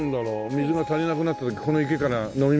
水が足りなくなった時この池から飲み水にする。